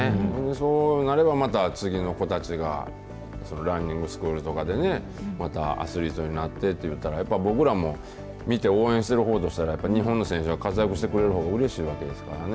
そうなればまた、次の子たちが、ランニングスクールとかでね、またアスリートになってっていうたら、やっぱり僕らも、見て応援しているほうとしたら、日本の選手が活躍してくれるほうがうれしいわけですからね。